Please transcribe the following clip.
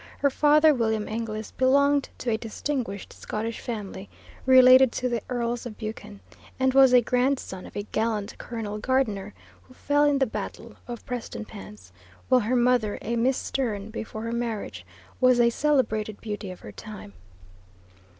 Her father, William Inglis, belonged to a distinguished Scottish family, related to the Earls of Buchan, and was a grandson of a gallant Colonel Gardiner who fell in the battle of Prestonpans, while her mother, a Miss Stern before her marriage, was a celebrated beauty of her time.